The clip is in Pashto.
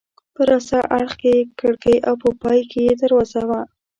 په راسته اړخ کې یې کړکۍ او په پای کې یې دروازه وه.